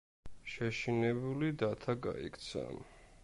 შეშინებული დათა გაიქცა.